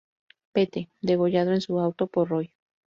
Pete: Degollado en su auto por Roy.